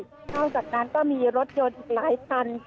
นอกจากนั้นก็มีรถยนต์อีกหลายคัน